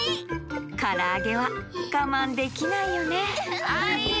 からあげはがまんできないよねはいよ。